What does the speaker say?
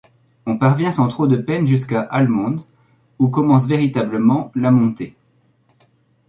On parvient sans trop de peine jusqu’à Allemond où commence véritablement la montée.